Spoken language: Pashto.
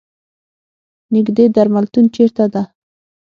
نیږدې درملتون چېرته ده؟